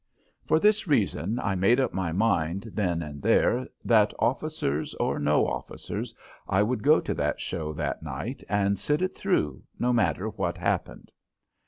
For this reason, I made up my mind then and there that, officers or no officers, I would go to that show that night and sit it through, no matter what happened.